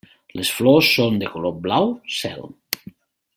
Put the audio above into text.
Les flors són de color blau cel.